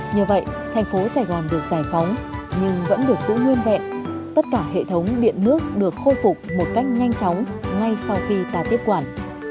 nhờ vậy thành phố sài gòn được giải phóng nhưng vẫn được giữ nguyên vẹn tất cả hệ thống điện nước được khôi phục một cách nhanh chóng ngay sau khi ta tiếp quản